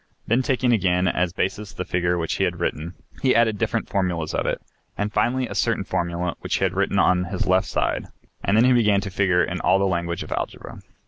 Then, taking again as basis the figure which he had written, he added different formulas of it, and finally a certain formula which he had written on his left side, and then he began to figure in all the language of algebra.